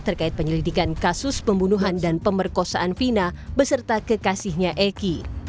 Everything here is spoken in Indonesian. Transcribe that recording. terkait penyelidikan kasus pembunuhan dan pemerkosaan vina beserta kekasihnya eki